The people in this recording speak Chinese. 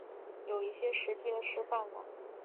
有一些实际的示范吗